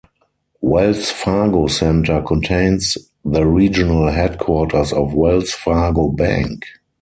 Wells Fargo Center contains the regional headquarters of Wells Fargo Bank.